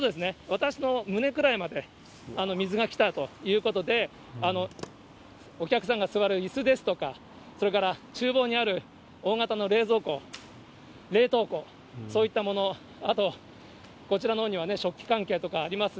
私の胸くらいまで水が来たということで、お客さんが座るいすですとか、それからちゅう房にある大型の冷蔵庫、冷凍庫、そういったもの、あと、こちらのほうには食器関係とかあります。